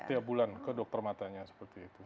setiap bulan ke dokter matanya seperti itu